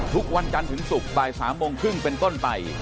ทุกวันจันทร์ถึงศุกร์บ่าย๓โมงครึ่งเป็นต้นไป